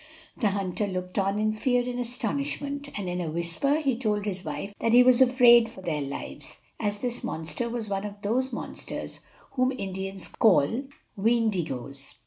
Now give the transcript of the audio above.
The hunter looked on in fear and astonishment, and in a whisper he told his wife that he was afraid for their lives, as this monster was one of those monsters whom Indians call Weendigoes.